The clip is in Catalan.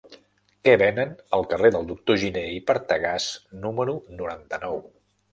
Què venen al carrer del Doctor Giné i Partagàs número noranta-nou?